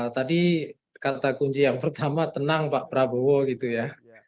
tadi kata kunci yang pertama tenang pak prabowo gitu ya